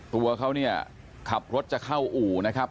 ตัวเขาเนี่ยขับรถข้าวอู๋ครับ